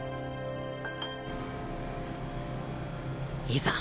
いざ！